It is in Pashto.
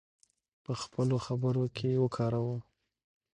په خپلو خبرو کې یې وکاروو.